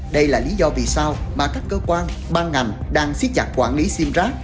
đây là lý do vì sao mà các cơ quan ban ngành đang siết chặt quản lý sim rác